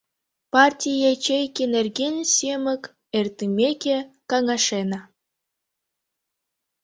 — Партий ячейке нерген семык эртымеке каҥашена.